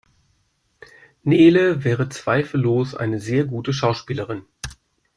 Nele wäre zweifellos eine sehr gute Schauspielerin.